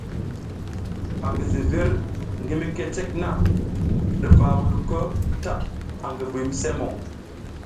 Angi zivir ngi mike cek na ɗuva wuluko ta angi Buymisemuŋ.